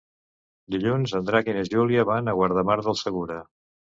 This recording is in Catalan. Dilluns en Drac i na Júlia van a Guardamar del Segura.